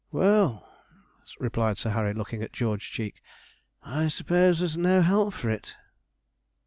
'Well,' replied Sir Harry, looking at George Cheek, 'I suppose there's no help for it.'